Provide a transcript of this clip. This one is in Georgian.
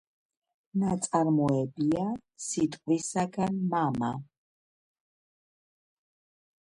ნაწარმოებია სიტყვისაგან მამა.